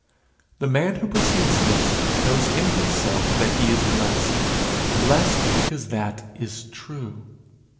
The man who perceives this knows in himself that he is blessed blessed because that is true.